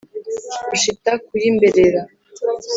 Rushita ku y' imberera